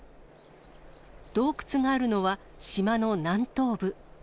洞窟があるのは島の南東部。